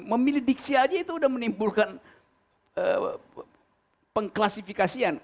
memilih diksi saja itu sudah menimbulkan pengklasifikasian